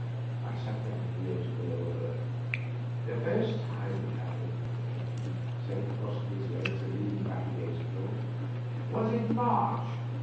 I sat down on the edge of the lower berth. " The first time it happened," said the captain, cross ing his legs and leaning back against the door, " was in March.